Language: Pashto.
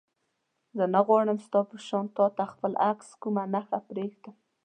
زه نه غواړم ستا په شان تا ته خپل عکس کومه نښه پرېږدم.